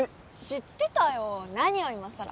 知ってたよ何を今更。